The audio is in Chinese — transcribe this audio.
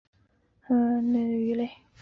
兰州鲇为鲇科鲇属的鱼类。